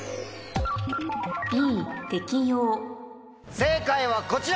正解はこちら！